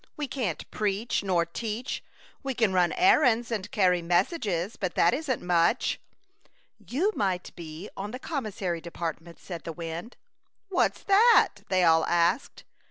"We can't preach, nor teach. We can run errands and carry messages, but that isn't much." '' You might be on the commis sary department," said the wind. "What's that?" they all asked.